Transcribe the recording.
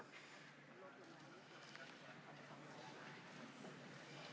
ท่านนายกคือทำร้ายระบอบประชาธิปไตยที่มีพระมหาคศัตริย์